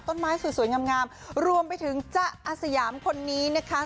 ต้นไม้สวยงามรวมไปถึงจ๊ะอาสยามคนนี้นะคะ